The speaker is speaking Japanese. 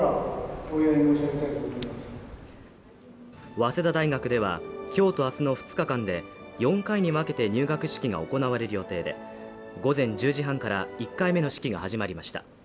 早稲田大学では、今日と明日の２日間で４回に分けて入学式が行われる予定で、午前１０時半から、１回目の式が始まりました。